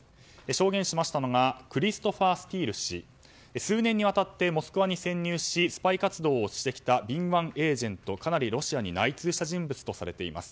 証言したのがクリストファー・スティール氏数年にわたりモスクワに潜入しスパイ活動をしてきた敏腕エージェントでロシアにかなり内通した人物だといいます。